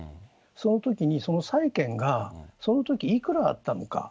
そのときに、その債権がそのときいくらあったのか。